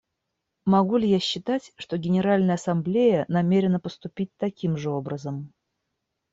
Могу ли я считать, что Генеральная Ассамблея намерена поступить таким же образом?